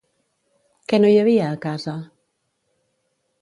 Què no hi havia a casa?